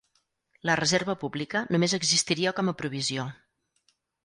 La reserva pública només existiria com a provisió.